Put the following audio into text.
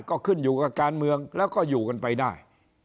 ก็ขึ้นอยู่กับการเมืองแล้วก็อยู่กันไปได้